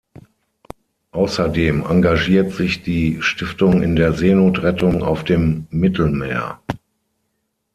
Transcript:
Außerdem engagiert sich die Stiftung in der Seenotrettung auf dem Mittelmeer.